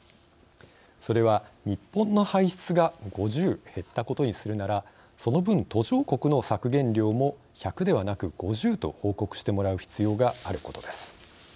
それは日本の排出が５０減ったことにするならその分途上国の削減量も１００ではなく５０と報告してもらう必要があることです。